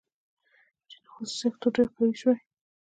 چین خصوصي سکتور ډېر قوي شوی.